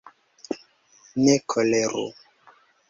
Ne koleru!